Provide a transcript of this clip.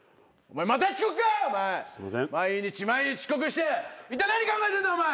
毎日毎日遅刻していったい何考えてんだお前！